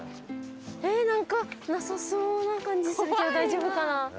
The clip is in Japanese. ええーなんかなさそうな感じするけど大丈夫かな？